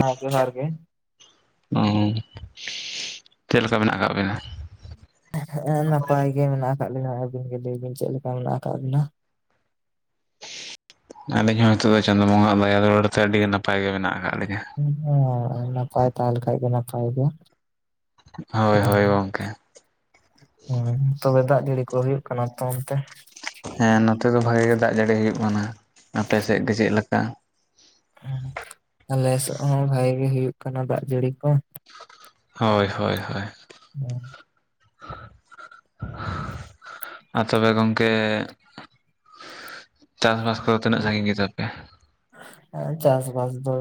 ᱦᱮᱸ ᱡᱚᱦᱟᱨ ᱜᱮ ᱩᱸ ᱪᱮᱫ ᱞᱮᱠᱟ ᱢᱮᱱᱟᱜ ᱟᱠᱟᱫ ᱵᱮᱱᱟ? ᱮᱸ ᱱᱟᱯᱟᱭ ᱜᱮ ᱢᱮᱱᱟᱜ ᱟᱠᱟᱫ ᱞᱤᱱᱟ ᱟᱵᱤᱱ ᱜᱮ ᱞᱟᱹᱭ ᱵᱤᱱ ᱪᱮᱫ ᱞᱮᱠᱟ ᱢᱮᱱᱟᱜ ᱟᱠᱟᱫ ᱵᱤᱱᱟ ᱟᱹᱞᱤᱧ ᱦᱚᱸ ᱱᱤᱛᱚᱜ ᱫᱚ ᱪᱟᱸᱫᱚ ᱵᱚᱸᱜᱟ ᱟᱜ ᱫᱟᱭᱟ ᱫᱩᱞᱟᱹᱲ ᱛᱮ ᱟᱹᱰᱤ ᱱᱟᱯᱟᱭ ᱜᱮ ᱢᱮᱱᱟᱜ ᱟᱠᱟᱫ ᱞᱤᱧᱟᱹ ᱦᱮᱸ ᱱᱟᱯᱟᱭ ᱛᱟᱸᱦᱮ ᱞᱮᱠᱷᱟᱡ ᱜᱮ ᱱᱟᱯᱟᱭ ᱜᱮ ᱦᱳᱭ ᱦᱳᱭ ᱜᱚᱢᱠᱮ ᱦᱮᱸ ᱛᱚᱵᱮ ᱫᱟᱜ ᱡᱟᱹᱲᱤ ᱠᱚ ᱦᱩᱭᱩᱜ ᱠᱟᱱᱟ ᱛᱚ ᱚᱱᱛᱮ ᱦᱮᱸ ᱱᱚᱛᱮ ᱫᱚ ᱵᱷᱟᱜᱤ ᱜᱮ ᱫᱟᱜ ᱡᱟᱹᱲᱤ ᱦᱩᱭᱩᱜ ᱠᱟᱱᱟ, ᱟᱯᱮ ᱥᱮᱫ ᱜᱮ ᱪᱮᱫ ᱞᱮᱠᱟ ᱟᱞᱮᱥᱮᱫ ᱦᱚᱸ ᱵᱷᱟᱜᱤ ᱜᱮ ᱦᱩᱭᱩᱜ ᱠᱟᱱᱟ ᱫᱟᱜ ᱡᱟᱹᱲᱤ ᱠᱚ᱾ ᱦᱳᱭ ᱦᱳᱭ ᱦᱳᱭ᱾ ᱟᱨ ᱛᱚᱵᱮ ᱜᱚᱢᱠᱮ ᱦᱮᱸ ᱦᱮᱸ [unintelligible] ᱥᱟᱺᱜᱤᱧ ᱜᱮᱛᱟ ᱯᱮᱭᱟ? ᱦᱮᱸ ᱪᱟᱥᱵᱟᱥ ᱫᱚ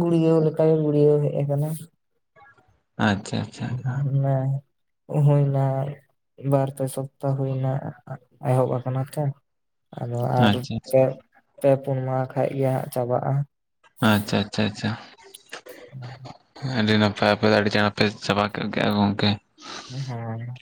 ᱜᱩᱲᱭᱟᱹᱣ ᱞᱮᱠᱟᱜᱮ ᱜᱩᱲᱭᱟᱹᱣ ᱦᱮᱡ ᱠᱟᱱᱟ᱾ ᱟᱪᱪᱷᱟ ᱟᱪᱪᱷᱟ ᱟᱪᱪᱷᱟ [unintelligible] ᱦᱩᱭᱱᱟ ᱵᱟᱨ ᱯᱮ ᱥᱚᱯᱛᱟᱦᱚ ᱦᱩᱭᱱᱟ ᱮᱦᱚᱵ ᱟᱠᱟᱱᱟ ᱛᱚ ᱟᱫᱚ ᱟᱨ ᱯᱮ ᱯᱩᱱ ᱢᱟᱦᱟ ᱠᱷᱟᱱ ᱜᱮ ᱦᱟᱸᱜ ᱪᱟᱵᱟᱜ-ᱟ᱾ ᱟᱪᱪᱷᱟ ᱟᱪᱪᱷᱟ ᱟᱪᱪᱷᱟ [unintelligible] ᱟᱹᱰᱤ ᱱᱟᱯᱟᱭ ᱟᱯᱮ ᱫᱚ ᱟᱹᱰᱤ ᱪᱟᱬᱯᱮ ᱪᱟᱵᱟ ᱜᱚᱫ ᱠᱮᱫᱟ ᱜᱚᱢᱠᱮ ᱦᱮᱸ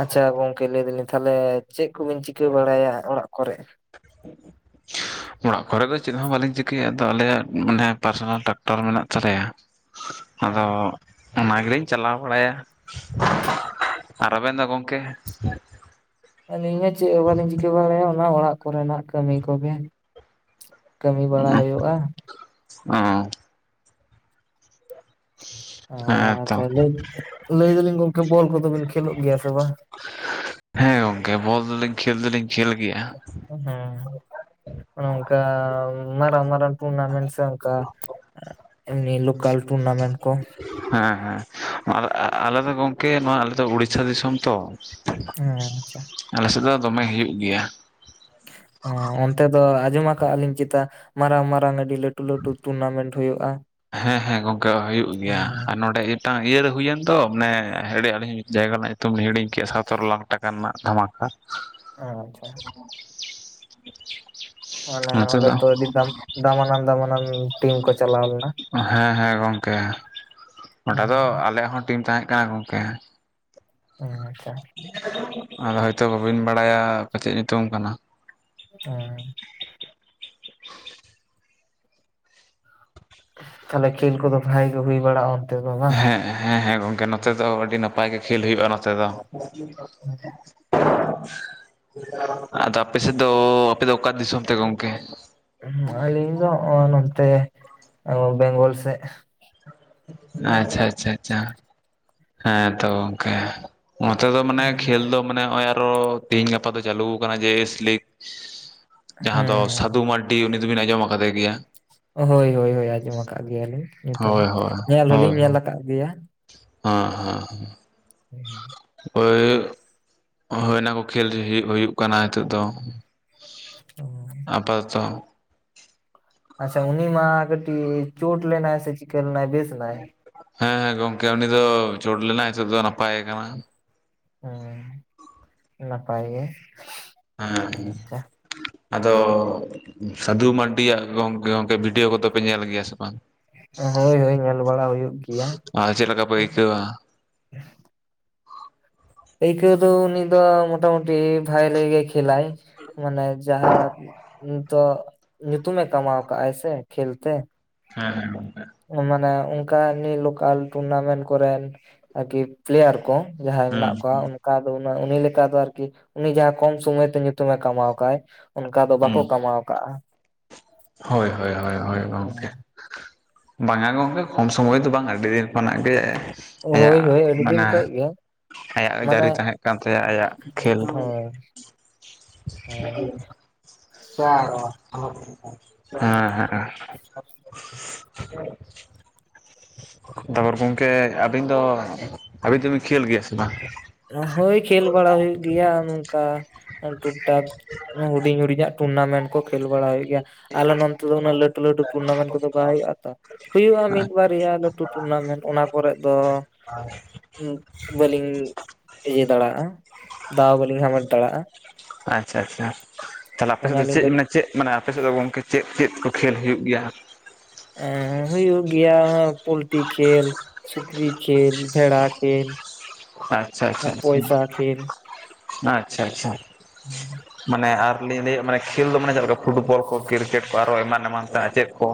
ᱟᱪᱪᱷᱟ ᱜᱚᱢᱠᱮ ᱞᱟᱹᱭ ᱫᱟᱞᱤᱧ ᱛᱟᱦᱞᱮ ᱪᱮᱫ ᱠᱚᱵᱤᱱ ᱪᱤᱠᱟᱹ ᱵᱟᱲᱟᱭᱟ ᱚᱲᱟᱜ ᱠᱚᱨᱮ [unintelligible] ᱚᱲᱟᱜ ᱠᱚᱨᱮ ᱫᱚ ᱪᱮᱫ ᱦᱚᱸ ᱵᱟᱞᱤᱧ ᱪᱤᱠᱟᱹᱭᱟ ᱟᱫᱚ ᱟᱞᱮᱭᱟᱜ ᱢᱟᱱᱮ ᱯᱟᱨᱥᱚᱱᱟᱞ ᱴᱟᱠᱴᱟᱨ ᱢᱮᱱᱟᱜ ᱛᱟᱞᱮᱭᱟ᱾ ᱟᱫᱚ ᱦᱮᱸ ᱚᱱᱟ ᱜᱮᱞᱤᱧ ᱪᱟᱞᱟᱣ ᱵᱟᱲᱟᱭᱟ᱾ [unintelligible] ᱟᱨ ᱟᱵᱤᱱ ᱫᱚ ᱜᱚᱝᱠᱮ ᱟᱞᱤᱧ ᱦᱚᱸ ᱪᱮᱫ ᱦᱚᱸ ᱵᱟᱞᱤᱧ ᱪᱤᱠᱟᱹ ᱵᱟᱲᱟᱭᱟ ᱚᱱᱟ ᱚᱲᱟᱜ ᱠᱚᱨᱮᱱᱟᱜ ᱠᱟᱹᱢᱤ ᱠᱚᱜᱮ᱾ ᱠᱟᱹᱢᱤ ᱵᱟᱲᱟ ᱦᱩᱭᱩᱜᱼᱟ᱾ ᱚ ᱦᱮᱸ ᱟᱨ ᱛᱚ ᱛᱟᱦᱚᱞᱮ ᱞᱟᱹᱭ ᱫᱟᱞᱤᱧ ᱜᱚᱝᱠᱮ ᱵᱚᱞ ᱠᱚᱫᱚ ᱵᱤᱱ ᱠᱷᱮᱞᱳᱜ ᱜᱮᱭᱟ ᱥᱮ ᱵᱟᱝ ᱦᱮᱸ ᱜᱚᱢᱠᱮ ᱵᱚᱞ ᱫᱚᱞᱤᱧ ᱠᱷᱮᱹᱞ ᱫᱚᱞᱤᱧ ᱠᱷᱮᱹᱞ ᱜᱮᱭᱟ᱾ ᱦᱩᱸ, ᱚᱱᱟ ᱚᱱᱮ ᱚᱱᱠᱟ ᱢᱟᱨᱟᱝ ᱢᱟᱨᱟᱝ ᱴᱩᱨᱱᱟᱢᱮᱱᱴ ᱥᱮ ᱚᱱᱠᱟ, ᱮᱢᱱᱤ ᱞᱳᱠᱟᱞ ᱴᱩᱨᱱᱟᱢᱮᱱᱴ ᱠᱚ ᱾ ᱦᱮᱸ ᱦᱮᱸ ᱟᱞᱮ ᱫᱚ ᱜᱚᱝᱠᱮ ᱱᱚᱣᱟ ᱟᱞᱮ ᱫᱚ ᱩᱲᱤᱥᱥᱟ ᱫᱤᱥᱚᱢ ᱛᱚ ᱾ ᱚ ᱟᱪᱪᱷᱟ ᱟᱞᱮ ᱥᱮᱫ ᱫᱚ ᱫᱚᱢᱮ ᱦᱩᱭᱩᱜ ᱜᱮᱭᱟ ᱾ ᱦᱩᱸ ᱚᱱᱛᱮ ᱫᱚ ᱟᱸᱡᱚᱢ ᱟᱠᱟᱫ ᱟᱞᱤᱧ ᱪᱮᱛᱟ ᱢᱟᱨᱟᱝ ᱢᱟᱨᱟᱝ ᱟᱰᱤ ᱞᱟᱹᱴᱩ ᱞᱟᱹᱴᱩ ᱴᱩᱨᱱᱟᱢᱮᱱᱴ ᱦᱩᱭᱩᱜᱼᱟ ᱾ ᱦᱮᱸ ᱦᱮᱸ ᱜᱚᱝᱠᱮ ᱦᱩᱭᱩᱜ ᱜᱮᱭᱟ ᱾ ᱟᱨ ᱱᱚᱰᱮ ᱴᱟᱝ ᱤᱭᱟᱹᱨᱮ ᱦᱩᱭᱮᱱ ᱫᱚ ᱢᱟᱱᱮ ᱦᱤᱲᱤᱧ ᱮᱫᱟᱞᱤᱧ ᱡᱟᱭᱜᱟ ᱨᱮᱱᱟᱜ ᱧᱩᱛᱩᱢ ᱞᱤᱧ ᱦᱤᱲᱤᱧ ᱠᱮᱜᱼᱟ ᱥᱚᱛᱨᱚ ᱞᱟᱠᱷ ᱴᱟᱠᱟ ᱨᱮᱱᱟᱜ ᱫᱷᱟᱢᱟ [unintelligible] ᱚ ᱟᱪᱪᱷᱟ [unintelligible] ᱢᱟᱱᱮ ᱚᱰᱮ ᱫᱚ ᱟᱹᱰᱤ ᱫᱟᱢᱟᱱᱟᱱ ᱫᱟᱢᱟᱱᱟᱱ ᱴᱤᱢ ᱠᱚ ᱪᱟᱞᱟᱣ ᱞᱮᱱᱟ ᱾ ᱦᱮᱸ ᱦᱮᱸ ᱜᱚᱝᱠᱮ, ᱚᱸᱰᱮ ᱫᱚ ᱦᱩᱸ ᱟᱞᱮᱭᱟᱜ ᱦᱚᱸ ᱴᱤᱢ ᱛᱟᱦᱮ ᱠᱟᱱᱟ ᱜᱚᱝᱠᱮ ᱾ ᱦᱩ ᱟᱪᱪᱷᱟ ᱟᱨ ᱦᱳᱭᱛᱳ ᱵᱟᱵᱤᱱ ᱵᱟᱲᱟᱭᱟ [unintelligible] ᱪᱮᱫ ᱧᱩᱛᱩᱢ ᱠᱟᱱᱟ [unintelligible] ᱛᱟᱦᱚᱞᱮ ᱠᱷᱮᱞ ᱠᱚᱫᱚ ᱵᱷᱟᱜ ᱜᱮ ᱦᱩᱭ ᱵᱟᱲᱟᱜᱼᱟ ᱚᱱᱛᱮ ᱫᱚ ᱵᱟᱝ? ᱮᱜ ᱦᱮ ᱦᱮ ᱜᱚᱢᱠᱮ ᱱᱚᱛᱮ ᱫᱚ ᱟᱹᱰᱤ ᱱᱟᱯᱟᱭ ᱜᱮ ᱠᱷᱮᱞ ᱦᱩᱭᱩᱜᱼᱟ ᱱᱚᱛᱮ ᱫᱚ᱾ ᱦᱩ ᱟᱫᱚ ᱟᱯᱮ ᱥᱮᱫ ᱫᱚ ᱟᱯᱮ ᱫᱚ ᱚᱠᱟ ᱫᱤᱥᱚᱢ ᱛᱮ ᱜᱚᱢᱠᱮ? ᱟᱞᱤᱧ ᱫᱚ ᱱᱚᱜᱚᱭ ᱱᱚᱛᱮ ᱵᱮᱝᱜᱚᱞ ᱥᱮ᱾ ᱟᱪᱪᱷᱟ ᱟᱪᱪᱷᱟ ᱟᱪᱪᱷᱟ ᱦᱮ ᱛᱚ ᱜᱚᱢᱠᱮ᱾ ᱱᱚᱛᱮ ᱫᱚ ᱢᱟᱱᱮ ᱠᱷᱮᱞ ᱫᱚ ᱢᱟᱱᱮ ᱱᱚᱜᱼᱚᱭ ᱟᱨᱚ ᱛᱮᱦᱤᱧ ᱜᱟᱯᱟ ᱫᱚ ᱪᱟᱹᱞᱩ ᱠᱟᱱᱟ ᱡᱮ ᱮᱥ ᱞᱤᱠ᱾ ᱡᱟᱸᱦᱟ ᱦᱩᱸ ᱫᱚ ᱥᱟᱫᱷᱩ ᱢᱟᱨᱰᱤ ᱩᱱᱤ ᱫᱚᱵᱤᱱ ᱟᱡᱚᱢ ᱟᱠᱟᱫᱮ ᱜᱮᱭᱟ᱾ ᱦᱳᱭ ᱦᱳᱭ ᱦᱳᱭ ᱟᱡᱚᱢᱟ ᱟᱠᱟᱫ ᱜᱮᱭᱟᱞᱤᱧ ᱧᱩᱛᱩᱢ, ᱦᱳᱭ ᱧᱮᱞ ᱦᱚᱞᱤᱧ ᱧᱮᱞ ᱟᱠᱟᱫ ᱜᱮᱭᱟ᱾ ᱚᱻ ᱦᱮᱸ ᱦᱮ ᱳᱭ ᱦᱳᱭ ᱚᱱᱟᱠᱚ ᱠᱷᱮᱞ ᱦᱩ ᱦᱩᱭᱩᱜ ᱠᱟᱱᱟ ᱱᱤᱛᱚᱜ ᱫᱚ᱾ ᱟᱯᱟᱛᱚᱛᱚ ᱟᱪᱪᱷᱟ ᱩᱱᱤ ᱢᱟ ᱠᱟᱴᱤᱡ ᱪᱳᱴ ᱞᱮᱱᱟᱭ ᱥᱮ ᱪᱤᱠ ᱞᱮᱱᱟᱭ ᱵᱮᱥ ᱱᱟᱭ ᱦᱮ ᱜᱚᱢᱠᱮ ᱩᱱᱤ ᱫᱚ ᱪᱩᱴ ᱞᱮᱱᱟᱭ ᱱᱤᱛᱚᱜ ᱫᱚ ᱱᱟᱯᱟᱭ ᱠᱟᱱᱟ᱾ ᱦᱩ ᱱᱟᱯᱟᱭ ᱜᱮ᱾ ᱦᱮᱸ ᱟᱪᱪᱷᱟ ᱟᱫᱚ ᱥᱟᱫᱷᱩ ᱢᱟᱱᱰᱤ ᱭᱟᱜ ᱜᱚᱢᱠᱮ ᱜᱚᱢᱠᱮ ᱵᱷᱤᱰᱭᱳ ᱠᱚᱫᱚ ᱯᱮ ᱧᱮᱞ ᱜᱮᱭᱟ ᱥᱮ ᱵᱟᱝ? ᱦᱳᱭ ᱦᱳᱭ ᱧᱮᱞ ᱵᱟᱲᱟ ᱦᱩᱭᱩᱜ ᱜᱮᱭᱟ ᱟᱨ ᱪᱮᱫ ᱞᱮᱠᱟ ᱯᱮ ᱟᱫᱚ ᱟᱭᱠᱟᱣᱟ? ᱟᱭᱠᱟᱣ ᱫᱚ ᱩᱱᱤ ᱫᱚ ᱢᱚᱴᱟ ᱢᱩᱴᱤ ᱵᱷᱟᱭ ᱜᱮ ᱠᱷᱮᱞᱟᱭ ᱢᱟᱱᱮ ᱡᱟᱸᱦᱟ ᱱᱤᱛᱚᱜ ᱧᱩᱛᱩᱢ ᱮ ᱠᱟᱢᱟᱣ ᱠᱟᱜᱟᱭ ᱥᱮ ᱠᱷᱮᱞ ᱛᱮ᱾ ᱦᱮ ᱦᱮ ᱜᱚᱢᱠᱮ᱾ ᱢᱟᱱᱮ ᱚᱱᱠᱟ ᱱᱩᱭ ᱞᱳᱠᱟᱞ ᱴᱩᱨᱱᱟᱢᱮᱱᱴ ᱠᱚᱨᱮᱱ ᱟᱨᱠᱤ ᱯᱞᱮᱭᱟᱨ ᱠᱚ ᱡᱟᱦᱟᱭ ᱦᱩᱸ ᱢᱮᱱᱟᱜ ᱠᱚᱣᱟ ᱩᱱ ᱠᱟ ᱫᱚ ᱩᱱᱟᱜ ᱩᱱᱤ ᱞᱮᱠᱟ ᱫᱚ ᱟᱨᱠᱤ ᱩᱱᱤ ᱡᱟᱸᱦᱟ ᱠᱚᱢ ᱥᱚᱢᱚᱭᱛᱮ ᱧᱩᱛᱩᱢᱮ ᱠᱟᱢᱟᱣ ᱠᱟᱜᱼᱟᱭ ᱚᱱᱠᱟ ᱫᱚ ᱦᱩᱸ ᱵᱟᱠᱚ ᱠᱟᱢᱟᱣ ᱠᱟᱜᱼᱟ᱾ ᱦᱳᱭ ᱦᱳᱭ ᱦᱳᱭ ᱦᱳᱭ ᱜᱚᱢᱠᱮ᱾ ᱵᱟᱝᱟ ᱜᱚᱢᱠᱮ ᱠᱚᱢ ᱥᱚᱢᱚᱭ ᱫᱚ ᱵᱟᱝ ᱟᱹᱰᱤ ᱫᱤᱱ ᱠᱷᱚᱱᱟᱜ ᱜᱮ ᱟᱭᱟᱜ ᱦᱳᱭ ᱦᱳᱭ ᱟᱹᱰᱤ ᱫᱤᱱ ᱢᱟᱱᱮ ᱠᱷᱚᱡ ᱜᱮ ᱟᱭᱟᱜ ᱢᱟᱱᱮ ᱡᱟᱹᱨᱤ ᱛᱟᱸᱦᱮᱜ ᱠᱟᱱ ᱛᱟᱭᱟ, ᱟᱭᱟᱜ ᱠᱷᱮᱞ ᱦᱳᱭ ᱦᱳᱭ [inaudible] ᱦᱮᱸ ᱦᱮᱸ [unintelligible] ᱛᱟᱯᱚᱨ ᱜᱚᱢᱠᱮ ᱟᱹᱵᱤᱱ ᱫᱚ ᱟᱹᱵᱤᱱ ᱫᱚᱵᱤᱱ ᱠᱷᱮᱞ ᱜᱮᱭᱟ ᱥᱮ ᱵᱟᱝ? ᱦᱳᱭ ᱠᱷᱮᱞ ᱵᱟᱲᱟ ᱦᱩᱭᱩᱜ ᱜᱮᱭᱟ ᱱᱚᱝᱠᱟ ᱴᱩᱠ ᱴᱟᱠ ᱦᱩᱰᱤᱧ ᱦᱩᱰᱤᱧᱟᱜ᱾ ᱴᱩᱨᱱᱟᱢᱮᱱᱴ ᱠᱚ ᱠᱷᱮᱞ ᱵᱟᱲᱟ ᱦᱩᱭᱩᱜ ᱜᱮᱭᱟ ᱟᱞᱮ ᱱᱚᱛᱮ ᱫᱚ ᱩᱱᱟᱹᱜ ᱞᱟᱹᱴᱩ ᱞᱟᱹᱴᱩ ᱴᱩᱨᱱᱟᱢᱮᱱᱴ ᱠᱚᱫᱚ ᱵᱟᱭ ᱦᱩᱭᱩᱜ ᱟ ᱛᱚ᱾ ᱦᱩᱭᱩᱜᱩᱼᱟ ᱢᱤᱫ ᱵᱟᱨᱭᱟ ᱞᱟᱹᱴᱩ ᱴᱩᱨᱱᱟᱢᱮᱱᱴ ᱚᱱᱟ ᱠᱚᱨ ᱫᱚ ᱵᱟᱹᱞᱤᱧ ᱤᱭᱟᱹ ᱫᱟᱲᱮᱭᱟᱜᱼᱟ ᱫᱟᱣ ᱵᱟᱹᱞᱤᱧ ᱦᱟᱢᱮᱴ ᱫᱟᱲᱮᱭᱟᱜᱼᱟ᱾ ᱟᱪᱪᱷᱟ ᱟᱪᱪᱷᱟ ᱛᱟᱦᱚᱞᱮ ᱟᱯᱮ ᱥᱮᱫ ᱚᱱᱟ ᱫᱚ ᱟᱹᱞᱤᱧ ᱪᱮᱫ ᱢᱮᱟᱱᱮ ᱪᱮᱫ ᱢᱟᱱᱮ ᱟᱯᱮᱥᱮᱫ ᱫᱚ ᱜᱚᱢᱠᱮ ᱪᱮᱫ ᱪᱮᱫ ᱠᱚ ᱠᱷᱮᱞ ᱦᱩᱭᱩᱜ ᱜᱮᱭᱟ? ᱮᱸ ᱦᱩᱭᱩᱜ ᱜᱮᱭᱟ ᱯᱳᱞᱴᱤ ᱠᱷᱮᱞ᱾ ᱥᱩᱠᱨᱤ ᱠᱷᱮᱞ, ᱵᱷᱮᱲᱟ ᱠᱷᱮᱞ ᱟᱪᱪᱷᱟ ᱟᱪᱪᱷᱟ ᱟᱨ ᱯᱚᱭᱥᱟ ᱟᱪᱪᱷᱟ ᱠᱷᱮᱞ᱾ ᱟᱪᱪᱷᱟ ᱟᱪᱪᱷᱟ᱾ [unintelligible] ᱢᱟᱱᱮ ᱟᱨ ᱞᱤᱧ ᱞᱟᱹᱭᱮᱜ ᱢᱟᱱᱮ ᱠᱷᱮᱞ ᱫᱚ ᱢᱟᱱᱮ ᱪᱮᱫ ᱞᱮᱠᱟ ᱯᱷᱩᱴᱵᱚᱞ ᱠᱚ ᱠᱨᱤᱠᱮᱴ ᱠᱚ ᱟᱨᱚ ᱮᱢᱟᱱ ᱮᱢᱟᱱ ᱛᱮ ᱪᱮᱫ ᱠᱚ?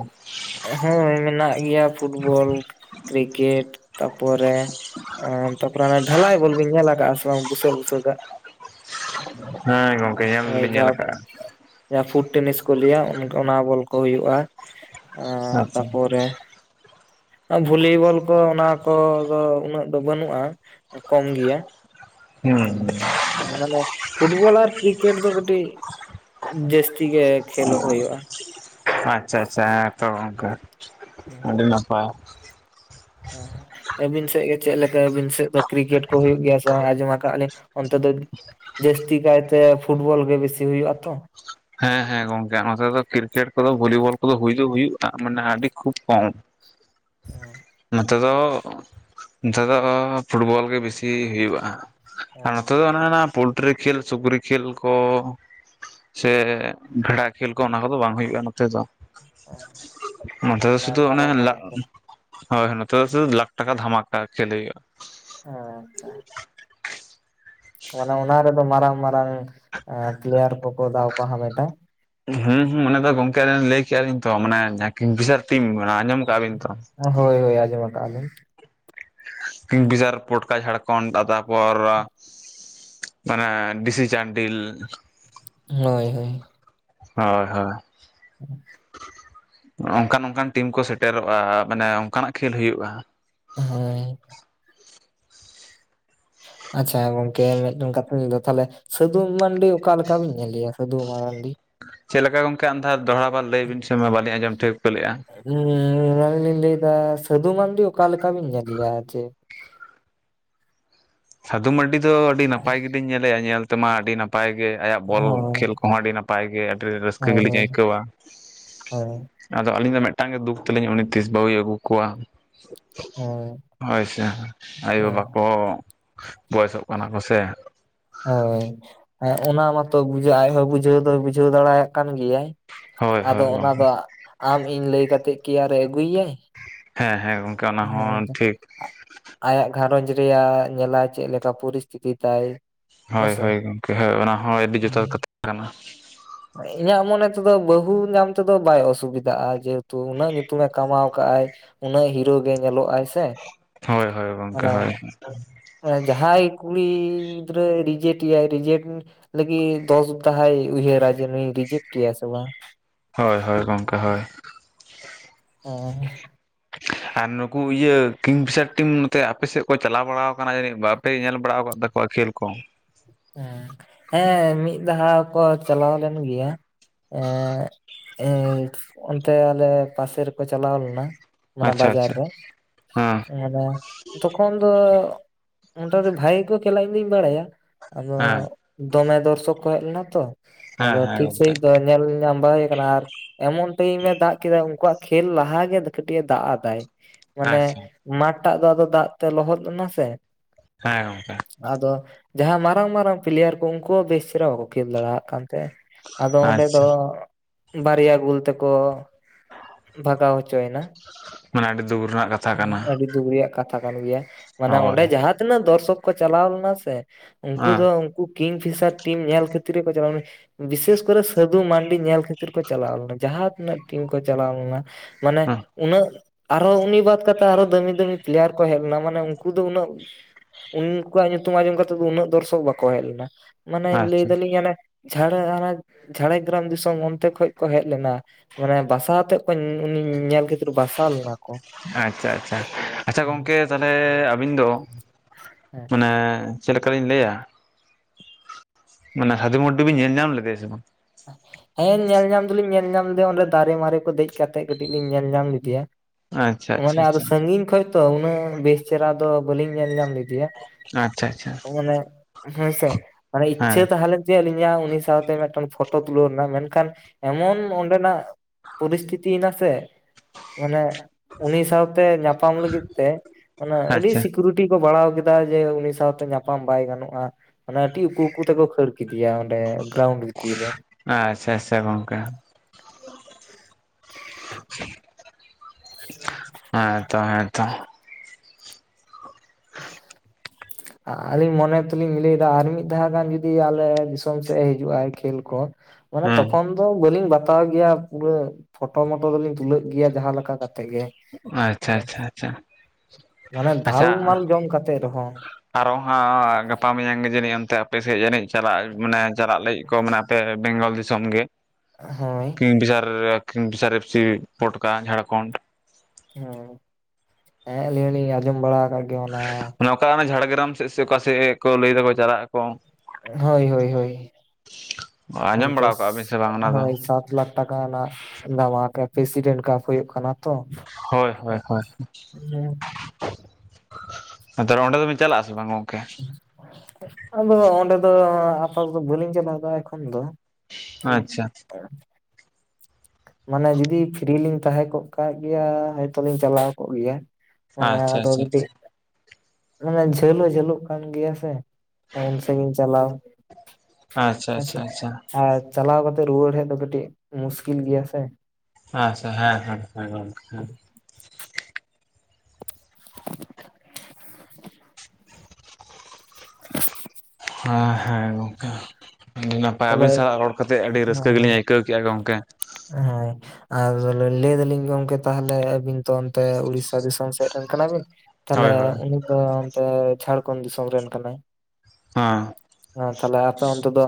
ᱦᱮᱸ, ᱢᱮᱱᱟᱜ ᱜᱮᱭᱟ ᱯᱷᱩᱴᱵᱚᱞ, ᱠᱨᱤᱠᱮᱴ ᱛᱟᱯᱚᱨᱮ ᱚᱸ ᱛᱟᱨᱯᱚᱨᱮ ᱚᱱᱟ ᱰᱷᱟᱞᱟᱭ ᱵᱚᱞᱵᱤᱱ ᱧᱮᱞ ᱟᱠᱟᱜᱼᱟ ᱥᱮ ᱵᱟᱝ ᱵᱩᱥᱟᱹᱜ ᱵᱩᱥᱟᱹᱜᱟᱜ? ᱦᱮᱸ ᱜᱚᱝᱠᱮ ᱧᱮᱞ ᱦᱳᱭ ᱫᱚᱞᱤᱧ ᱧᱮᱞ ᱡᱟᱦᱟᱸ ᱟᱠᱟᱜᱼᱟ ᱾ ᱡᱟᱦᱟᱸ ᱯᱷᱩᱴ ᱴᱮᱱᱤᱥ ᱠᱚ ᱞᱟᱹᱭᱟ ᱚᱱ-ᱚᱱᱟ ᱵᱚᱞ ᱠᱚ ᱦᱩᱭᱩᱜᱼᱟ, ᱚᱸᱻ ᱟᱪᱪᱷᱟ ᱛᱟᱯᱚᱨᱮ ᱵᱷᱚᱞᱤᱵᱚᱞ ᱠᱚ ᱚᱱᱟ ᱠᱚ ᱫᱚ ᱩᱱᱟᱹᱜ ᱫᱚ ᱵᱟᱹᱱᱩᱜᱼᱟ ᱾ ᱠᱚᱢ ᱜᱮᱭᱟ ᱾ ᱦᱩᱸ ᱢᱟᱱᱮ ᱯᱷᱩᱴᱵᱚᱞ ᱟᱨ ᱠᱨᱤᱠᱮᱴ ᱫᱚ ᱠᱟᱹᱴᱤᱡ ᱡᱟᱹᱥᱛᱤ ᱜᱮ ᱠᱷᱮᱞᱚᱜ ᱦᱳᱭᱳᱜᱼᱟ ᱾ ᱟᱪᱪᱷᱟ ᱟᱪᱪᱷᱟ ᱦᱮᱸ ᱛᱚ ᱜᱚᱝᱠᱮ ᱟᱹᱰᱤ ᱱᱟᱯᱟᱭ ᱾ ᱦᱮᱸ, ᱟᱹᱵᱤᱱ ᱥᱮᱫ ᱜᱮ ᱪᱮᱫ ᱞᱮᱠᱟ ᱟᱹᱵᱤᱱ ᱥᱮᱫ ᱫᱚ ᱠᱨᱤᱠᱮᱴ ᱠᱚ ᱦᱩᱭᱩᱜ ᱜᱮᱭᱟ ᱥᱮ ᱵᱟᱝ? ᱟᱸᱡᱚᱢᱟ ᱟᱠᱟᱜᱼᱟ ᱞᱤᱧ ᱚᱱᱛᱮ ᱫᱚ ᱡᱟᱹᱥᱛᱤ ᱠᱟᱭᱛᱮ ᱯᱷᱩᱴᱵᱚᱞ ᱜᱮ ᱵᱮᱥᱤ ᱦᱩᱭᱩᱜᱼᱟ ᱛᱚ ᱾ ᱦᱮᱸ ᱦᱮᱸ ᱜᱚᱝᱠᱮ ᱱᱚᱛᱮ ᱫᱚ ᱠᱨᱤᱠᱮᱴ ᱠᱚᱫᱚ ᱵᱷᱚᱞᱤᱵᱚᱞ ᱠᱚᱫᱚ ᱦᱩᱭ ᱫᱚ ᱦᱩᱭᱩᱜᱼᱟ ᱢᱟᱱᱮ ᱟᱹᱰᱤ ᱠᱷᱩᱵ ᱠᱚᱢ ᱾ ᱚᱸ ᱾ ᱱᱚᱛᱮ ᱫᱚ ᱱᱚᱛᱮ ᱫᱚ ᱯᱷᱩᱴᱵᱚᱞ ᱜᱮ ᱵᱮᱥᱤ ᱦᱩᱭᱩᱜᱼᱟ ᱾ ᱟᱨ ᱱᱚᱛᱮ ᱢᱟᱱᱮ ᱫᱚ ᱚᱱᱮ ᱚᱱᱟ ᱯᱳᱞᱴᱨᱤ ᱠᱷᱮᱞ ᱥᱩᱠᱨᱤ ᱠᱷᱮᱞ ᱠᱚ ᱥᱮ ᱵᱷᱮᱲᱟ ᱠᱷᱮᱞ ᱠᱚ ᱚᱱᱟ ᱠᱚᱫᱚ ᱵᱟᱝ ᱦᱩᱭᱩᱜᱼᱟ ᱱᱚᱛᱮ ᱫᱚ ᱾ ᱱᱚᱛᱮ ᱫᱚ ᱥᱩᱫᱩ ᱚᱱᱮ ᱢᱟᱨᱟᱝ ᱞᱟᱜ ᱢᱟᱨᱟᱝ ᱠᱷᱮᱞ ᱦᱳᱭ ᱦᱳᱭ ᱱᱚᱛᱮ ᱫᱚ ᱥᱩᱫᱷᱩ ᱞᱟᱠᱷ ᱴᱟᱠᱟ ᱫᱷᱢᱟᱠᱟ ᱠᱷᱮᱞ ᱦᱳᱭᱳᱜᱼᱟ ᱾ ᱟᱸᱻᱪᱪᱷᱟ ᱾ ᱢᱟᱱᱮ ᱚᱱᱟ ᱨᱮᱫᱚ ᱢᱟᱨᱟᱝ ᱢᱟᱨᱟᱝ ᱟᱸ ᱯᱞᱮᱭᱟᱨ ᱠᱚᱠᱚ ᱫᱟᱣ ᱠᱚ ᱦᱟᱢᱮᱴᱟ ᱾ ᱦᱩᱸ ᱦᱩᱸ ᱚᱱᱮ ᱫᱚ ᱜᱚᱝᱠᱮ ᱞᱟᱹᱭ ᱠᱮᱜᱼᱟ ᱞᱤᱧ ᱛᱚ ᱢᱟᱱᱮ ᱡᱟᱦᱟᱸ ᱠᱤᱝᱯᱷᱤᱥᱟᱨ ᱴᱤᱢ ᱚᱱᱟ ᱟᱸᱡᱚᱢ ᱠᱟᱜᱼᱟ ᱵᱤᱱ ᱛᱚ? ᱦᱳᱭ, ᱦᱳᱭ, ᱟᱸᱚᱢᱟᱜ ᱟᱠᱟᱜᱼᱟᱞᱤᱧ ᱾ ᱠᱤᱝᱜᱯᱷᱤᱥᱟᱨ ᱯᱚᱴᱠᱟ ᱡᱷᱟᱲᱠᱷᱚᱱᱰ ᱟ ᱛᱟᱨᱯᱚᱨ ᱢᱟᱱᱮ ᱰᱤᱥᱤ ᱪᱟᱱᱰᱤᱞ, ᱦᱳᱭ, ᱦᱳᱭ ᱾ ᱦᱳᱭ, ᱦᱳᱭ ᱾ [inaudible] ᱚᱝᱠᱟᱱ ᱚᱝᱠᱟᱱ ᱴᱤᱢ ᱠᱚ ᱥᱮᱴᱮᱨᱚᱜᱼᱟ, ᱢᱟᱱᱮ ᱚᱝᱠᱟᱱᱟᱜ ᱠᱷᱮᱞ ᱦᱩᱭᱩᱜᱼᱟ ᱾ ᱦᱩᱸᱭ ᱾ ᱟᱪᱪᱷᱟ ᱜᱚᱝᱠᱮ ᱢᱤᱫᱴᱮᱱ ᱠᱟᱛᱷᱟᱧ ᱞᱟᱹᱭᱫᱟ ᱛᱟᱦᱚᱞᱮ ᱾ ᱥᱟᱹᱫᱷᱩ ᱢᱟᱹᱱᱢᱤ ᱚᱠᱟ ᱞᱮᱠᱟ ᱵᱤᱱ ᱧᱮᱞᱮᱭᱟ ᱥᱟᱹᱫᱷᱩ ᱢᱟᱨᱟᱱᱰᱤ? ᱪᱮᱫ ᱞᱮᱠᱟ ᱜᱚᱝᱠᱮ ᱟᱢᱫᱷᱟ ᱫᱚᱦᱚᱲᱟ ᱵᱟᱨ ᱞᱟᱹᱭᱵᱤᱱ ᱥᱮ ᱢᱟ ᱵᱟᱞᱤᱧ ᱟᱸᱡᱚᱢ ᱴᱷᱟᱹᱣᱟᱹ ᱞᱮᱜᱼᱟ! ᱩᱸᱻ ᱚᱱᱟ ᱜᱮᱞᱤᱧ ᱞᱟᱹᱭ ᱫᱟ ᱥᱟᱹᱫᱷᱩ ᱢᱟᱹᱱᱰᱤ ᱚᱠᱟᱞᱮᱠᱟ ᱵᱤᱱ ᱧᱮᱞᱮᱭᱟ ᱪᱮ ᱥᱟᱹᱫᱷᱩ ᱢᱟᱨᱰᱤ ᱫᱚ ᱟᱹᱰᱤ ᱱᱟᱯᱟᱭ ᱜᱮᱞᱤᱧ ᱧᱮᱞᱮᱜᱼᱟ ᱧᱮᱞ ᱛᱮᱢᱟ ᱟᱹᱰᱤ ᱱᱟᱯᱟᱭ ᱜᱮ, ᱟᱭᱟᱜ ᱵᱚᱞ ᱦᱳᱭ ᱠᱷᱮᱞ ᱠᱚᱦᱚᱸ ᱟᱹᱰᱤ ᱱᱟᱯᱟᱭ ᱜᱮ ᱟᱹᱰᱤ ᱨᱟᱹᱥᱠᱟᱹ ᱜᱮᱞᱤᱧ ᱟᱹᱭᱠᱟᱹᱣᱟ ᱾ ᱦᱚᱭ ᱾ ᱟᱫᱚ ᱟᱹᱞᱤᱧ ᱫᱚ ᱢᱤᱫᱴᱟᱝ ᱜᱮ ᱫᱩᱠ ᱛᱟᱹᱞᱤᱧ ᱩᱱᱤ ᱛᱤᱥ ᱵᱟᱹᱦᱩᱭ ᱟᱹᱜᱩ ᱠᱚᱣᱟ? ᱦᱳᱭ ᱦᱳᱭ ᱥᱮ, ᱟᱭᱩ ᱦᱳᱭ ᱵᱟᱵᱟ ᱠᱚ ᱵᱚᱭᱮᱥᱚᱜ ᱠᱟᱱᱟ ᱠᱚ ᱥᱮ ᱾ ᱦᱳᱭ, ᱮᱜ ᱚᱱᱟ ᱢᱟᱛᱚ ᱵᱩᱡᱟᱹ ᱟᱡ ᱦᱚᱸ ᱵᱩᱡᱷᱟᱹᱣ ᱫᱚ ᱵᱩᱡᱷᱟᱹᱣ ᱫᱟᱲᱮᱭᱟᱜ ᱠᱟᱱ ᱜᱮᱭᱟᱭ ᱦᱳᱭ ᱾ ᱟᱫᱚ ᱦᱳᱭ ᱚᱱᱟ ᱜᱚᱝᱠᱮ ᱫᱚ ᱟᱢ ᱤᱧ ᱞᱟᱹᱭ ᱠᱟᱛᱮᱫ ᱠᱤ ᱟᱨᱮ ᱟᱹᱜᱩᱭ‌ ᱮᱭᱟ ᱦᱮᱸ ᱦᱮᱸ ᱜᱚᱝᱠᱮ ᱾ ᱚᱱᱟ ᱦᱮᱸ ᱦᱚᱸ ᱟᱪᱷᱟ ᱾ ᱴᱷᱤᱠ ᱟᱭᱟᱜ ᱜᱷᱟᱨᱚᱸᱡᱽ ᱨᱮᱭᱟᱜ ᱧᱮᱞᱟᱭ ᱪᱮᱫ ᱞᱮᱠᱟ ᱯᱚᱨᱤᱥᱛᱷᱤᱛᱤ ᱛᱟᱭ? ᱦᱳᱭ ᱦᱮᱸᱥᱮ ᱦᱳᱭ ᱜᱚᱝᱠᱮ ᱦᱳᱭ ᱚᱱᱟ ᱦᱚᱸ ᱟᱹᱰᱤ ᱡᱚᱛᱷᱟᱛ ᱦᱩᱸ ᱠᱟᱛᱷᱟ ᱠᱟᱱᱟ ᱾ ᱤᱧᱟᱹᱜ ᱢᱚᱱᱮ ᱛᱮᱫᱚ ᱵᱟᱹᱦᱩ ᱧᱟᱢ ᱛᱮᱫᱚ ᱵᱟᱭ ᱚᱥᱩᱵᱤᱫᱷᱟᱜᱼᱟ᱾ ᱡᱮᱦᱮᱛᱩ ᱩᱱᱟᱹᱜ ᱧᱩᱛᱩᱢᱮ ᱠᱟᱢᱟᱣ ᱠᱟᱜ-ᱟᱭ᱾ ᱩᱱᱟᱹᱜ ᱦᱤᱨᱳ ᱜᱮ ᱧᱮᱞᱚᱜ ᱟᱭ ᱥᱮ᱾ ᱦᱳᱭ ᱦᱳᱭ ᱜᱚᱝᱠᱮ ᱦᱳᱭ᱾ ᱢᱟᱱᱮ ᱡᱟᱦᱟᱸᱭ ᱠᱩᱲᱤ ᱜᱤᱫᱽᱨᱟᱹᱭ ᱨᱤᱡᱮᱠᱴ ᱮᱭᱟᱭ ᱨᱤᱡᱮᱠᱴ ᱞᱟᱹᱜᱤᱫ ᱫᱚᱥ ᱫᱟᱦᱟᱭ ᱩᱭᱦᱟᱹᱨᱟ ᱡᱮ ᱱᱩᱭ ᱨᱤᱡᱮᱠᱴ ᱮᱭᱟ ᱥᱮ ᱵᱟᱝ᱾ ᱦᱳᱭ ᱦᱳᱭ ᱜᱚᱝᱠᱮ ᱦᱳᱭ᱾ [inaudible] ᱟᱨ ᱱᱩᱠᱩ ᱤᱭᱟᱹ ᱠᱤᱝ ᱯᱷᱤᱥᱟᱨ ᱴᱤᱢ ᱱᱚᱛᱮ ᱟᱯᱮ ᱥᱮᱫ ᱠᱚ ᱪᱟᱞᱟᱣ ᱵᱟᱲᱟᱣ ᱟᱠᱟᱱᱟ ᱡᱟᱹᱱᱤᱡ ᱵᱟᱯᱮ ᱧᱮᱞ ᱵᱟᱲᱟ ᱟᱠᱟᱫ ᱠᱚᱣᱟᱜ ᱠᱷᱮᱞ ᱠᱚ᱾ ᱦᱮᱸ ᱢᱤᱫ ᱫᱷᱟᱣ ᱠᱚ ᱪᱟᱞᱟᱣ ᱞᱮᱱ ᱜᱮᱭᱟ᱾ ᱮᱸᱜ ᱮ ᱚᱱᱛᱮ ᱟᱞᱮ ᱯᱟᱥᱮ ᱨᱮᱠᱚ ᱪᱟᱞᱟᱣ ᱞᱮᱱᱟ᱾ ᱚᱱᱟ ᱟᱪᱪᱷᱟ ᱵᱟᱡᱟᱨ ᱟᱪᱪᱷᱟ ᱨᱮ᱾ ᱦᱮᱸ ᱚᱱᱟ ᱫᱚ ᱛᱚᱠᱷᱚᱱ ᱫᱚ ᱢᱚᱴᱟᱢᱩᱴᱤ ᱵᱷᱟᱜᱮ ᱜᱮᱠᱚ ᱠᱷᱮᱞᱟ ᱤᱧ ᱫᱩᱧ ᱵᱟᱲᱟᱭᱟ᱾ ᱟᱫᱚ ᱦᱮᱸ ᱫᱚᱢᱮ ᱫᱚᱨᱥᱚᱠ ᱠᱚ ᱦᱮᱡ ᱞᱮᱱᱟ ᱛᱚ᱾ ᱦᱮᱸ ᱟᱫᱚ ᱦᱮᱸ ᱴᱷᱤᱠ ᱜᱚᱝᱠᱮ ᱥᱟᱹᱦᱤᱡ ᱫᱚ ᱧᱮᱞ ᱧᱟᱢ ᱵᱟᱝ ᱦᱩᱭ ᱟᱠᱟᱱᱟ ᱟᱨ ᱮᱢᱚᱱ ᱴᱟᱭᱤᱢᱮ ᱫᱟᱜ ᱠᱮᱫᱟ, ᱩᱱᱠᱩᱣᱟᱜ ᱠᱷᱮᱞ ᱞᱟᱦᱟ ᱮ ᱠᱟᱹᱴᱤᱡ ᱮ ᱫᱟᱜ ᱟᱫᱟᱭ᱾ ᱢᱟᱱᱮ ᱟᱪᱪᱷᱟ ᱢᱟᱴ ᱴᱟᱜ ᱫᱚ ᱟᱫᱚ ᱫᱟᱜ ᱛᱮ ᱞᱚᱦᱚᱫ ᱮᱱᱟ ᱥᱮ᱾ ᱦᱮᱸ ᱜᱚᱝᱠᱮ᱾ ᱟᱫᱚ ᱡᱟᱦᱟᱸ ᱢᱟᱨᱟᱝ ᱢᱟᱨᱟᱝ ᱯᱞᱮᱭᱟᱨ ᱠᱚ ᱩᱱᱠᱩ ᱦᱚᱸ ᱵᱮᱥ ᱪᱮᱦᱨᱟ ᱵᱟᱠᱚ ᱠᱷᱮᱞ ᱫᱟᱲᱮᱭᱟᱜ ᱠᱟᱱ ᱛᱟᱦᱮᱸ᱾ ᱟᱫᱚ ᱚᱸᱰᱮ ᱫᱚ ᱟᱪᱪᱷᱟ ᱵᱟᱨᱭᱟ ᱜᱳᱞ ᱛᱮᱠᱚ ᱵᱷᱟᱜᱟᱣ ᱦᱚᱪᱚᱭᱮᱱᱟ᱾ ᱢᱟᱱᱮ ᱟᱹᱰᱤ ᱫᱩᱠ ᱨᱮᱱᱟᱜ ᱠᱟᱛᱷᱟ ᱠᱟᱱᱟ᱾ ᱫᱩᱜ ᱨᱮᱭᱟᱜ ᱠᱟᱛᱷᱟ ᱠᱟᱱ ᱜᱮᱭᱟ᱾ ᱢᱟᱱᱮ ᱦᱳᱭ ᱚᱸᱰᱮ ᱡᱟᱦᱟᱸ ᱛᱤᱱᱟᱹᱜ ᱫᱚᱨᱥᱚᱠ ᱠᱚ ᱪᱟᱞᱟᱣ ᱞᱮᱱᱟ ᱥᱮ᱾ ᱩᱱᱠᱩ ᱦᱮᱸ ᱫᱚ ᱩᱱᱠᱩ ᱠᱤᱝ ᱯᱷᱤᱥᱟᱨ ᱴᱤᱢ ᱧᱮᱞ ᱠᱷᱟᱹᱛᱤᱨ ᱜᱮᱠᱚ ᱪᱟᱞᱟᱣ ᱞᱮᱱᱟ᱾ ᱵᱤᱥᱮᱥ ᱠᱚᱨᱮ ᱥᱟᱹᱫᱷᱩ ᱢᱟᱱᱰᱤ ᱧᱮᱞ ᱠᱷᱟᱹᱛᱤᱨ ᱠᱚ ᱪᱟᱞᱟᱣ ᱞᱮᱱᱟ᱾ ᱡᱟᱦᱟᱸ ᱛᱤᱱᱟᱹᱜ ᱴᱤᱢ ᱠᱚ ᱪᱟᱞᱟᱣ ᱞᱮᱱᱟ ᱢᱟᱱᱮ ᱦᱮᱸ ᱩᱱᱟᱹᱜ ᱟᱨᱦᱚᱸ ᱩᱱᱤ ᱵᱟᱫ ᱠᱟᱛᱮᱫ ᱟᱨᱚ ᱫᱟᱹᱢᱤ ᱫᱟᱹᱢᱤ ᱯᱞᱮᱭᱟᱨ ᱠᱚ ᱦᱮᱡ ᱞᱮᱱᱟ ᱢᱟᱱᱮ ᱩᱱᱠᱩ ᱫᱚ ᱩᱱᱟᱹᱜ ᱩᱱᱠᱩᱣᱟᱜ ᱧᱩᱛᱩᱢ ᱟᱸᱡᱚᱢ ᱠᱟᱛᱮᱫ ᱫᱚ ᱩᱱᱟᱹᱜ ᱫᱚᱨᱥᱚᱠ ᱵᱟᱠᱚ ᱦᱮᱡ ᱞᱮᱱᱟ᱾ ᱢᱟᱱᱮ ᱞᱟᱹᱭ ᱟᱪᱪᱷᱟ ᱫᱟᱞᱤᱧ ᱟᱱᱮ ᱡᱷᱟᱲ ᱨᱟᱱᱟᱪ ᱡᱷᱟᱲᱜᱨᱟᱢ ᱫᱤᱥᱚᱢ ᱚᱱᱛᱮ ᱠᱷᱚᱡ ᱠᱚ ᱦᱮᱡ ᱞᱮᱱᱟ᱾ ᱢᱟᱱᱮ ᱵᱟᱥᱟ ᱟᱛᱮᱜ ᱠᱚ ᱩᱱᱤ ᱧᱮᱞ ᱠᱮᱛ ᱟᱪᱪᱷᱟ ᱟᱪᱪᱷᱟ᱾ ᱟᱪᱪᱷᱟ ᱜᱚᱝᱠᱮ ᱛᱟᱞᱦᱮ ᱟᱹᱵᱤᱱ ᱫᱚ ᱢᱟᱱᱮ ᱪᱮᱫ ᱞᱮᱠᱟᱞᱤᱧ ᱞᱟᱹᱭᱟ᱾ ᱢᱟᱱᱮ ᱥᱟᱫᱦᱩ ᱢᱟᱨᱰᱤ ᱵᱤᱱ ᱧᱮᱞ ᱧᱟᱢ ᱞᱮᱫᱮᱭᱟ ᱥᱮ ᱵᱟᱝ? ᱦᱮᱸ ᱧᱮᱞ ᱧᱟᱢ ᱫᱚᱞᱤᱧ ᱧᱮᱞ ᱧᱟᱢ ᱞᱮᱫᱮᱭᱟ, ᱚᱸᱰᱮ ᱫᱟᱨᱮ ᱢᱟᱨᱮ ᱠᱚ ᱫᱮᱡ ᱠᱟᱛᱮᱜ ᱠᱟᱹᱴᱤᱡ ᱞᱤᱧ ᱧᱮᱞ ᱧᱟᱢ ᱞᱮᱫᱮᱭᱟ᱾ ᱟᱪᱪᱷᱟ ᱟᱪᱪᱷᱟ ᱢᱟᱱᱮ ᱟᱫᱚ ᱟᱪᱪᱷᱟ ᱥᱟᱺᱜᱤᱧ ᱠᱷᱚᱡ ᱛᱚ ᱩᱱᱟᱹᱜ ᱵᱮᱥ ᱪᱮᱨᱦᱟ ᱫᱚ ᱵᱟᱹᱞᱤᱧ ᱧᱮᱞ ᱧᱟᱢ ᱞᱮᱫᱮᱭᱟ᱾ ᱟᱪᱪᱷᱟ ᱟᱪᱪᱷᱟ ᱢᱟᱱᱮ ᱦᱳᱭ ᱥᱮ᱾ ᱢᱟᱱᱮ ᱤᱪᱪᱷᱟᱹ ᱦᱮᱸ ᱛᱟᱸᱦᱮ ᱞᱮᱱ ᱛᱤᱧᱟ ᱟᱹᱞᱤᱧᱟᱜ ᱩᱱᱤ ᱥᱟᱶᱛᱮ ᱢᱮᱫᱴᱮᱝ ᱞᱷᱳ ᱯᱷᱚᱴᱳ ᱛᱩᱞᱟᱹᱣ ᱨᱮᱱᱟᱜ ᱢᱮᱱᱠᱷᱟᱱ ᱮᱢᱚᱱ ᱚᱸᱰᱮᱱᱟᱜ ᱯᱚᱨᱤᱥᱛᱷᱤᱛᱤ ᱮᱱᱟ ᱥᱮ ᱢᱟᱱᱮ ᱩᱱᱤ ᱥᱟᱶᱛᱮ ᱧᱟᱯᱟᱢ ᱞᱟᱹᱜᱤᱫ ᱛᱮ ᱢᱟᱱᱮ ᱟᱹᱰᱤ ᱟᱪᱪᱷᱟ ᱥᱤᱠ ᱠᱩᱨᱩᱴᱤ ᱠᱚ ᱵᱟᱲᱟᱣ ᱠᱮᱫᱟ ᱡᱮ ᱩᱱᱤ ᱥᱟᱶᱛᱮ ᱧᱟᱯᱟᱢ ᱵᱟᱭ ᱜᱟᱱᱚᱜᱼᱟ᱾ ᱢᱟᱱᱮ ᱟᱹᱰᱤ ᱩᱠᱩ ᱩᱠᱩ ᱛᱮᱠᱚ ᱠᱷᱟᱹᱲ ᱠᱮᱫᱮᱭᱟ ᱚᱸᱰᱮ ᱜᱨᱟᱣᱩᱱᱰ ᱵᱷᱤᱛᱤᱨ ᱨᱮ᱾ ᱟᱪᱪᱷᱟ ᱟᱪᱪᱷᱟ ᱜᱚᱝᱠᱮ᱾ [inaudible] ᱦᱮᱸ ᱛᱚ ᱦᱮᱸᱛᱚ᱾ [inaudible] ᱟ ᱟᱹᱞᱤᱧ ᱢᱚᱱᱮ ᱛᱮᱞᱤᱧ ᱞᱟᱹᱭᱮᱫᱟ ᱟᱨ ᱢᱤᱫ ᱫᱷᱟᱣ ᱜᱟᱱ ᱡᱩᱫᱤ ᱟᱞᱮ ᱫᱤᱥᱚᱢ ᱥᱮᱫ ᱮ ᱦᱤᱡᱩᱜᱼᱟᱭ ᱠᱷᱮᱞ ᱠᱚ᱾ ᱢᱟᱱᱮ ᱦᱮᱸ ᱛᱚᱠᱷᱚᱱ ᱫᱚ ᱵᱟᱹᱞᱤᱧ ᱵᱟᱛᱟᱣ ᱜᱮᱭᱟ ᱯᱩᱨᱟᱹ ᱯᱷᱚᱴᱳ ᱢᱚᱴᱳ ᱫᱚᱞᱤᱧ ᱛᱩᱞᱟᱹᱜ ᱜᱮᱭᱟ ᱡᱟᱦᱟᱸ ᱞᱮᱠᱟ ᱠᱟᱛᱮ᱾ ᱟᱪᱪᱷᱟ ᱟᱪᱪᱷᱟ ᱟᱪᱪᱷᱟ ᱢᱟᱱᱮ ᱟᱪᱪᱷᱟ ᱫᱟᱞᱢᱟᱞ ᱡᱚᱢ ᱠᱟᱛᱮ ᱨᱮᱦᱚᱸ᱾ ᱟᱨᱚ ᱦᱟᱸᱜ ᱜᱟᱯᱟ ᱢᱮᱭᱟᱝ ᱜᱮ ᱡᱟᱹᱱᱤᱡ ᱚᱱᱛᱮ ᱟᱯᱮ ᱥᱮᱡ ᱡᱟᱹᱱᱤᱡ ᱪᱟᱞᱟᱜ ᱢᱟᱱᱮ ᱪᱟᱞᱟᱜ ᱞᱟᱹᱜᱤᱫ ᱠᱚ ᱢᱟᱱᱮ ᱟᱯᱮ ᱵᱮᱝᱜᱚᱞ ᱫᱤᱥᱚᱢ ᱜᱮ ᱦᱳᱭ᱾ ᱠᱤᱝᱯᱷᱤᱥᱟᱨ ᱠᱤᱝᱯᱷᱤᱥᱟᱨ ᱮᱯᱷ ᱥᱤ ᱯᱚᱴᱠᱟ ᱡᱷᱟᱲᱠᱷᱚᱸᱰ ᱦᱮᱸ ᱟᱹᱞᱤᱧ ᱦᱚᱸ ᱞᱤᱧ ᱟᱸᱡᱚᱢ ᱵᱟᱲᱟᱰ ᱢᱟᱱᱮ ᱚᱠᱟ ᱚᱱᱮ ᱡᱷᱟᱲᱜᱨᱟᱢ ᱥᱮᱫ ᱥᱮ ᱚᱠᱟ ᱥᱮᱫ ᱠᱚ ᱞᱟᱹᱭ ᱫᱟᱠᱚ ᱪᱟᱞᱟᱜ ᱟᱠᱚ ᱦᱳᱭ ᱦᱳᱭ ᱦᱳᱭ ᱟᱸᱡᱚᱢ ᱚᱱᱛᱮ ᱵᱟᱲᱟ ᱠᱟᱜᱼᱟ ᱵᱤᱱ ᱥᱮ ᱵᱟᱝ ᱚᱱᱟ ᱫᱚ ᱦᱳᱭ ᱥᱟᱛ ᱞᱟᱠᱷ ᱴᱟᱠᱟ ᱨᱮᱱᱟᱜ ᱫᱷᱟᱢᱟᱠᱟ ᱯᱨᱮᱥᱤᱰᱮᱱᱴ ᱠᱟᱯ ᱦᱳᱭᱳᱜ ᱠᱟᱱᱟ ᱛᱚ᱾ ᱦᱳᱭ ᱦᱳᱭ ᱦᱳᱭ᱾ ᱛᱟᱞᱮ ᱚᱸᱰᱮ ᱫᱚᱵᱤᱱ ᱪᱟᱞᱟᱜ ᱟᱥᱮ ᱵᱟᱝ ᱜᱚᱝᱠᱮ? ᱟᱫᱚ ᱚᱸᱰᱮ ᱫᱚ ᱟᱥᱟᱠᱚᱨᱮ ᱫᱚ ᱵᱟᱹᱞᱤᱧ ᱪᱟᱞᱟᱣ ᱫᱟᱲᱮᱟᱜ-ᱟ ᱮᱠᱷᱚᱱ ᱫᱚ ᱾ ᱟᱪᱪᱷᱟ [unintelligible] ᱢᱟᱱᱮ ᱡᱩᱫᱤ ᱯᱷᱨᱤᱞᱤᱧ ᱛᱟᱦᱮᱸ ᱠᱚᱜ ᱠᱟᱜ ᱜᱮᱭᱟ ᱦᱚᱭᱛᱚ ᱞᱤᱧ ᱪᱟᱞᱟᱣ ᱠᱚᱜ ᱜᱮᱭᱟ᱾ ᱚᱱᱟ ᱟᱪᱪᱷᱟ ᱟᱫᱚ ᱟᱪᱪᱷᱟ ᱢᱤᱫᱴᱤᱡ ᱢᱟᱱᱮ ᱡᱷᱟᱹᱞ ᱦᱚᱸ ᱡᱷᱟᱹᱞᱚᱜ ᱠᱟᱱ ᱜᱮᱭᱟ ᱥᱮ ᱩᱱ ᱥᱟᱸᱜᱤᱧ ᱪᱟᱞᱟᱣ᱾ ᱟᱪᱪᱷᱟ ᱦᱮᱸ ᱥᱮ ᱟᱪᱪᱷᱟ ᱟᱪᱪᱷᱟ ᱟᱨ ᱪᱟᱞᱟᱣ ᱠᱟᱛᱮᱜ ᱨᱩᱣᱟᱹᱲ ᱦᱮᱡ ᱫᱚ ᱠᱟᱹᱴᱤᱡ ᱢᱩᱥᱠᱤᱞ ᱜᱮᱭᱟ ᱥᱮ᱾ ᱟᱪᱪᱷᱟ ᱦᱮᱸ ᱦᱮᱸ ᱦᱮᱸ ᱜᱚᱝᱠᱮ ᱦᱮᱸ᱾ ᱦᱮᱸ ᱦᱮᱸ ᱜᱚᱝᱠᱮ ᱟᱰᱤ ᱱᱟᱯ ᱛᱟᱦᱚᱞᱮ ᱟᱹᱵᱤᱱ ᱥᱟᱞᱟᱜ ᱨᱚᱲ ᱠᱟᱛᱮ ᱟᱹᱰᱤ ᱨᱟᱹᱥᱠᱟᱹ ᱜᱮᱞᱤᱧ ᱦᱮᱸ ᱟᱹᱭᱠᱟᱹᱣ ᱠᱮᱜ-ᱟ ᱜᱚᱢᱠᱮ᱾ ᱦᱳᱭ᱾ ᱟᱨ ᱞᱟᱹᱭ ᱫᱟᱞᱤᱧ ᱜᱚᱢᱠᱮ ᱛᱟᱦᱚᱞᱮ ᱟᱹᱵᱤᱱ ᱛᱚ ᱚᱱᱛᱮ ᱩᱲᱤᱥᱥᱟ ᱫᱤᱥᱚᱢ ᱥᱮᱫ ᱨᱮᱱ ᱠᱟᱱᱟ ᱵᱤᱱ ᱛᱟᱦᱚᱞᱮ ᱦᱳᱭ ᱦᱳᱭ ᱩᱱᱤ ᱫᱚ ᱚᱱᱛᱮ ᱡᱷᱟᱲᱠᱷᱚᱸᱰ ᱫᱤᱥᱚᱢ ᱨᱮᱱ ᱠᱟᱱᱟᱭ [inaudible] ᱟᱨ ᱛᱟᱦᱚᱞᱮ ᱟᱯᱮ ᱚᱱᱛᱮ ᱫᱚ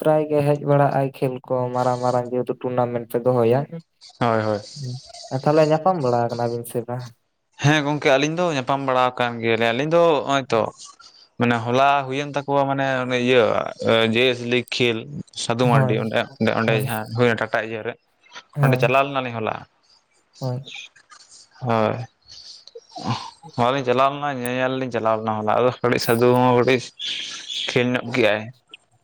ᱯᱨᱟᱭ ᱜᱮ ᱦᱮᱡ ᱵᱟᱲᱟᱜ ᱟᱭ ᱠᱷᱮᱞ ᱠᱚ ᱢᱟᱨᱟᱝ ᱢᱟᱨᱟᱝ ᱡᱮᱦᱮᱛᱩ ᱴᱩᱨᱱᱟᱢᱮᱱᱴ ᱯᱮ ᱫᱚᱦᱚᱭᱟ᱾ ᱦᱳᱭ ᱦᱳᱭ᱾ ᱛᱟᱦᱚᱞᱮ ᱧᱟᱯᱟᱢ ᱵᱟᱲᱟ ᱠᱟᱱᱟ ᱵᱤᱱ ᱥᱮ ᱵᱟ? ᱦᱮᱸ ᱜᱚᱝᱠᱮ ᱟᱹᱞᱤᱧ ᱫᱚ ᱧᱟᱯᱟᱢ ᱵᱟᱲᱟ ᱠᱟᱱ ᱜᱮᱭᱟᱞᱤᱧ ᱟᱞᱤᱧ ᱫᱚ ᱦᱚᱜ-ᱚᱭ ᱛᱚ᱾ ᱢᱟᱱᱮ ᱦᱚᱞᱟ ᱦᱩᱭᱮᱱ ᱛᱟᱠᱚᱣᱟ ᱢᱟᱱᱮ ᱚᱱᱮ ᱤᱭᱟᱹ ᱡᱮ ᱮᱥ ᱮ ᱞᱤᱜ ᱠᱷᱮᱞ᱾ ᱥᱟᱹᱫᱷᱩ ᱢᱟᱨᱰᱤ ᱚᱸᱰᱮ ᱚᱸᱰᱮ ᱦᱳᱭ ᱡᱟᱦᱟᱸ ᱦᱩᱭᱱᱟ ᱴᱟᱴᱟ ᱤᱭᱟᱹᱮ ᱚᱸᱰᱮ ᱦᱳᱭ ᱪᱟᱞᱟᱣ ᱞᱮᱱᱟᱞᱤᱧ ᱦᱚᱞᱟ᱾ ᱦᱳᱭ᱾ ᱦᱳᱭ ᱦᱚᱞᱟ ᱞᱤᱧ ᱪᱟᱞᱟᱣ ᱞᱮᱱᱟ ᱧᱮᱧᱮᱞ ᱞᱤᱧ ᱪᱟᱞᱟᱣ ᱞᱮᱱᱟ ᱦᱚᱞᱟ ᱾ ᱟᱫᱚ ᱠᱟᱹᱴᱤᱡ ᱥᱟᱹᱫᱩ ᱦᱚᱸ ᱠᱟᱹᱴᱤᱡ ᱠᱷᱮᱞ ᱧᱚᱜ ᱠᱮᱜ-ᱟᱭ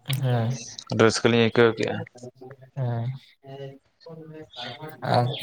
ᱦᱳᱭ ᱟᱹᱰᱤ ᱨᱟᱹᱥᱠᱟᱹ ᱞᱤᱧ ᱟᱹᱭᱠᱟᱹᱣ ᱠᱮᱜ-ᱟ᱾ ᱦᱮᱸ [unintelligible]